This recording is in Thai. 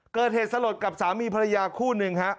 เกิดเหตุสรรดิกับสามีภรรยาคู่นึง